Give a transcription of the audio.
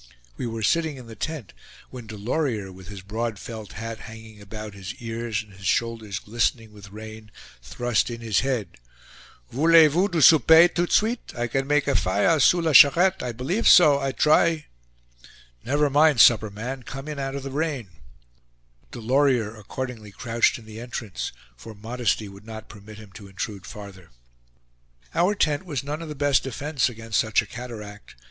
We were sitting in the tent, when Delorier, with his broad felt hat hanging about his ears, and his shoulders glistening with rain, thrust in his head. "Voulez vous du souper, tout de suite? I can make a fire, sous la charette I b'lieve so I try." "Never mind supper, man; come in out of the rain." Delorier accordingly crouched in the entrance, for modesty would not permit him to intrude farther. Our tent was none of the best defense against such a cataract.